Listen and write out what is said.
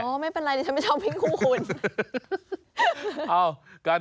ไม่เป็นไรดิฉันไม่ชอบวิ่งคู่คุณ